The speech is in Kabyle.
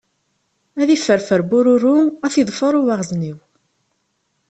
Ad yefferfer bururu ad t-yeḍfer uwaɣzniw.